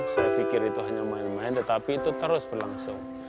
saya pikir itu hanya main main tetapi itu terus berlangsung